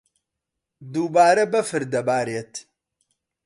دووبارە بەفر دەبارێت.